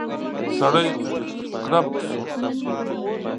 سړی کړپ شو.